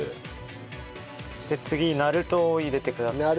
次なるとを入れてください。